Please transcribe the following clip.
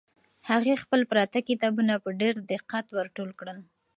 هغې خپل پراته کتابونه په ډېر دقت ور ټول کړل.